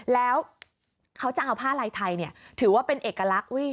แล้วเขาจะเอาผ้าลายไทยถือว่าเป็นเอกลักษณ์